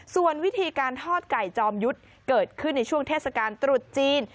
ส่วนวิธีการทอดไก่จอมยุทธ์เกิดขึ้นในช่วงเทศกาลตรุษจีน